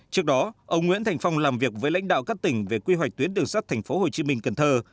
trước đó ông nguyễn thành phong làm việc với lãnh đạo các tỉnh về quy hoạch tuyến đường sát thành phố hồ chí minh cần thơ